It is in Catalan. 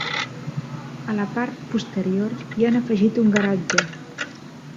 A la part posterior hi han afegit un garatge.